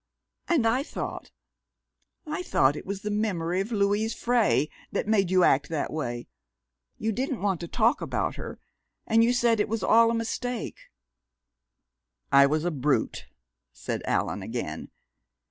And I thought I thought it was the memory of Louise Frey that made you act that way. You didn't want to talk about her, and you said it was all a mistake " "I was a brute," said Allan again.